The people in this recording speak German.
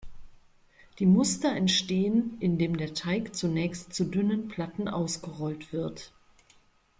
Die Muster entstehen, indem der Teig zunächst zu dünnen Platten ausgerollt wird.